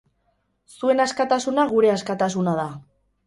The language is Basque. Zuen askatasuna gure askatasuna da.